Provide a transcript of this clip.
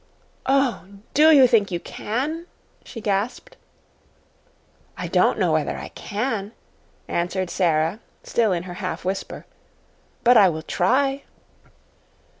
"Oh, DO you think you can?" she gasped. "I don't know whether I CAN", answered Sara, still in her half whisper; "but I will try."